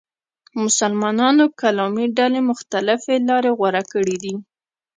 مسلمانانو کلامي ډلې مختلفې لارې غوره کړې دي.